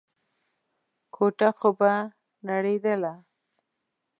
کوټه خو به نړېدله.